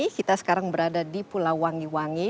kita sekarang berada di pulau wangi wangi